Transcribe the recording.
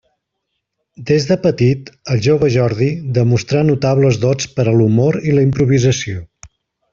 Des de petit, el jove Jordi demostrar notables dots per a l'humor i la improvisació.